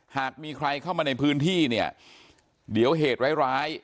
หากมีใครเข้ามาในพื้นที่เนี่ยเดี๋ยวเหตุร้ายร้าย